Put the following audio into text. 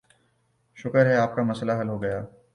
شکر ہے کہ آپ کا مسئلہ حل ہوگیا